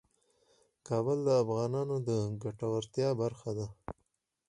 کابل د افغانانو د ګټورتیا برخه ده.